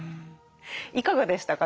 いかがでしたか？